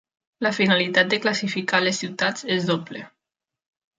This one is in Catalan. La finalitat de classificar les ciutats és doble.